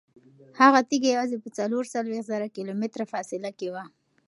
هغه تیږه یوازې په څلور څلوېښت زره کیلومتره فاصله کې وه.